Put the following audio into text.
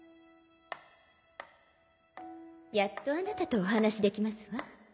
やっとあなたとお話しできますわ。